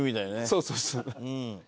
そうそうそう。